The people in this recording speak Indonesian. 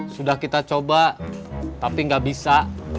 sudah kita coba tapi nggak bisa